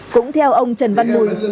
cũng theo ông trần văn mùi